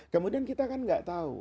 kemudian kita kan nggak tahu